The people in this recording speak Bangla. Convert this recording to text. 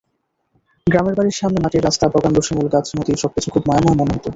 গ্রামের বাড়ির সামনে মাটির রাস্তা, প্রকাণ্ড শিমুলগাছ, নদী—সবকিছু খুব মায়াময় মনে হতো।